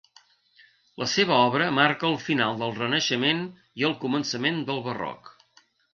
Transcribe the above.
La seva obra marca el final del Renaixement i el començament del Barroc.